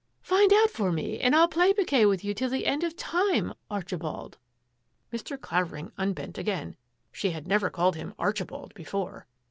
Find out for me and I'U play piquet with you till the end of time — Archibald !" Mr. Clavering unbent again. She had never called him " Archibald " before.